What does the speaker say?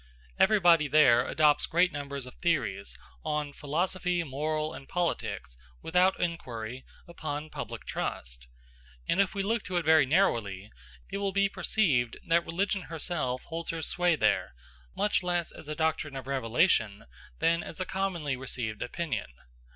Everybody there adopts great numbers of theories, on philosophy, morals, and politics, without inquiry, upon public trust; and if we look to it very narrowly, it will be perceived that religion herself holds her sway there, much less as a doctrine of revelation than as a commonly received opinion.